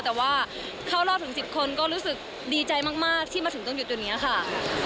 แต่ว่าเข้ารอบถึง๑๐คนก็รู้สึกดีใจมากที่มาถึงต้องหยุดตรงนี้ค่ะ